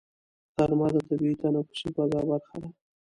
غرمه د طبیعي تنفسي فضا برخه ده